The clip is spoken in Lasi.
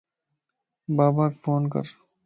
باباک فون ڪَر